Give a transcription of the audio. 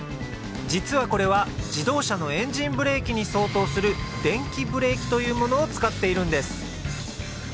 実はこれは自動車のエンジンブレーキに相当する電気ブレーキというものを使っているんです